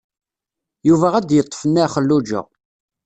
Yuba ad d-yeṭṭef Nna Xelluǧa.